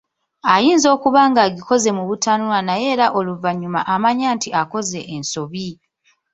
Ayinza okuba ng'agikoze mu butanwa naye era oluvannyuma amanya nti akoze ensobi!